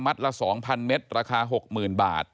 มัดละ๒๐๐๐เม็ดราคา๖๐๐๐๐บาท